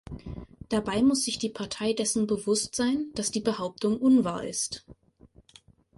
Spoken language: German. Dabei muss sich die Partei dessen bewusst sein, dass die Behauptung unwahr ist.